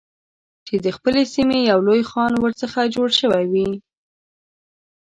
چې د خپلې سیمې یو لوی خان ورڅخه جوړ شوی وي.